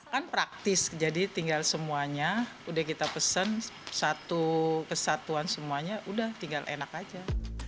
kan praktis jadi tinggal semuanya udah kita pesen satu kesatuan semuanya udah tinggal enak aja